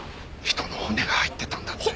人の骨が入ってたんだって。